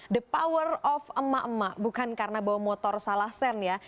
the power of emak emak bukan karena bawa motor salah sen ya